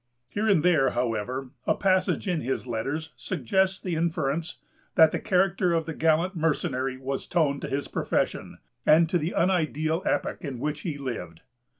Here and there, however, a passage in his letters suggests the inference, that the character of the gallant mercenary was toned to his profession, and to the unideal epoch in which he lived.